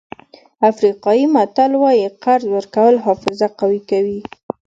افریقایي متل وایي قرض ورکول حافظه قوي کوي.